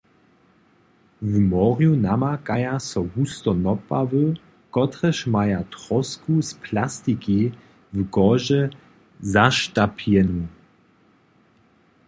W morju namakaja so husto nopawy, kotrež maja trosku z plastiki w koži zaštapjenu.